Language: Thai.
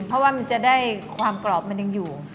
เพราะว่ามันจะได้ความกรอบมันยังอยู่